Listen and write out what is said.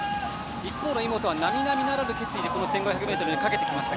一方の井本なみなみならぬ決意でこの１５００にかけてきました。